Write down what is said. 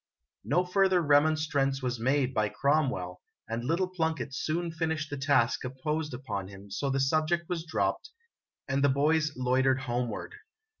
No further remonstrance was made by Cromwell, and little Plunkett soon finished the task imposed upon him, so the subject was dropped, and the boys loitered homeward.